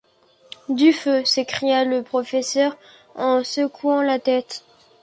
Du feu! s’écria le professeur en secouant la tête !